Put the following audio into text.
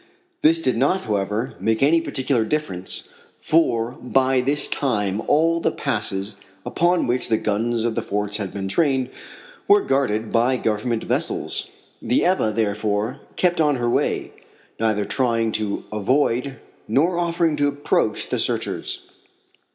This did not, however, make any particular difference, for by this time all the passes, upon which the guns of the forts had been trained, were guarded by government vessels. The Ebba, therefore, kept on her way, neither trying to avoid nor offering to approach the searchers.